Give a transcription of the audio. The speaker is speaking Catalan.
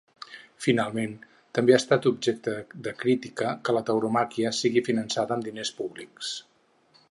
Finalment, també ha estat objecte de crítica que la tauromàquia sigui finançada amb diners públics.